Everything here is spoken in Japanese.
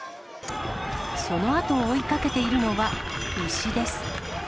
そのあとを追いかけているのは牛です。